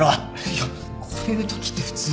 いやこういうときって普通。